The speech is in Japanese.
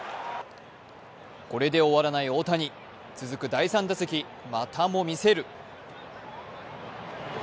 これで終わらない大谷、続く第３打席、またも見せる！